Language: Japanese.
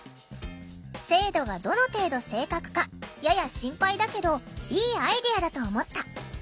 「精度がどの程度正確かやや心配だけどいいアイデアだと思った。